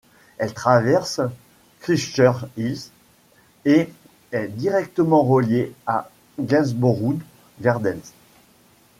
Elle traverse Christchurch Hill et est directement relié à Gainsborough Gardens.